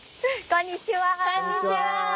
こんにちは。